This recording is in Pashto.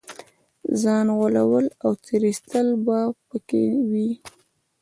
ځان غولول او تېر ایستل به په کې وي.